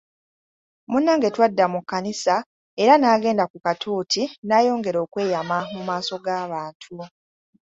Munnange twadda mu kkanisa era n'agenda ku katuuti n'ayongera okweyama mu maaso g'abantu.